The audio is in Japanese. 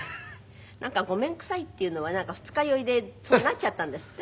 なんか「ごめんくさい」っていうのは二日酔いでそうなっちゃったんですって？